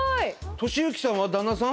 敏之さんは旦那さん？